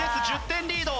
１０点リード。